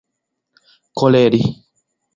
koleri